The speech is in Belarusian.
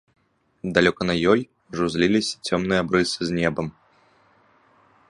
Далёка на ёй ужо зліліся цёмныя абрысы з небам.